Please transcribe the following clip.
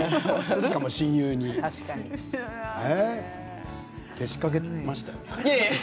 しかも親友にけしかけましたね。